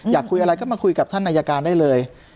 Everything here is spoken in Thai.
อยากคุยอะไรก็มาคุยกับท่านอายการได้เลย